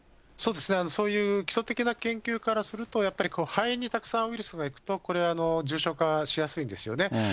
そうですね、そういう基礎的な研究からすると、やっぱり肺にたくさんウイルスがいくと、これ、重症化しやすいんですよね。